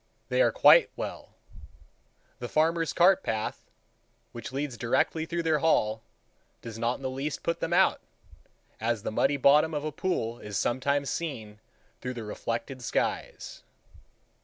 They are quite well. The farmer's cart path, which leads directly through their hall, does not in the least put them out, as the muddy bottom of a pool is sometimes seen through the reflected skies.